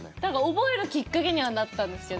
覚えるきっかけにはなったんですけど。